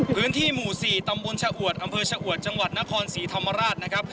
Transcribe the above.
พื้นที่หมู่๔ตำบลชะอวดอำเภอชะอวดจังหวัดนครศรีธรรมราชนะครับ